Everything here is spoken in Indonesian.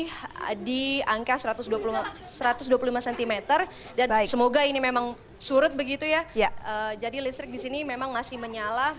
ini di angka satu ratus dua puluh lima cm dan semoga ini memang surut begitu ya jadi listrik di sini memang masih menyala